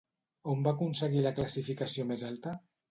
On va aconseguir la classificació més alta?